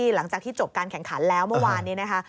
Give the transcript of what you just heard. หลังจากที่จบการแข่งขันแล้วเมื่อวานนี้นะคะ